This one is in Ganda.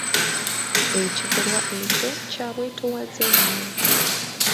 Ekikolwa ekyo kya bwetoowaze nnyo.